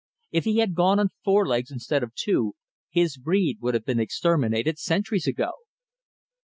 If he had gone on four legs instead of two, his breed would have been exterminated centuries ago."